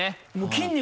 筋肉